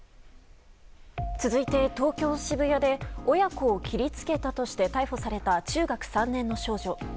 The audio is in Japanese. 続いて、東京・渋谷で親子を切りつけたとして逮捕された中学３年の少女。